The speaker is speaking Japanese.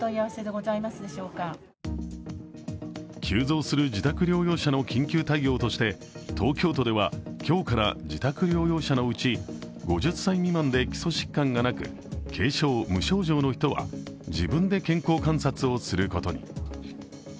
急増する自宅療養者の緊急対応として東京都では、今日から自宅療養者のうち、５０歳未満で基礎疾患がなく軽症、無症状の人は自分で健康観察をすることに。